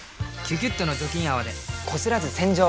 「キュキュット」の除菌泡でこすらず洗浄！